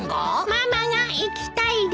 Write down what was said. ママが行きたいです。